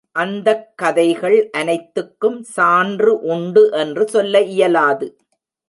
அந்தக் கதைகள் அனைத்துக்கும் சான்று உண்டு என்று சொல்ல இயலாது.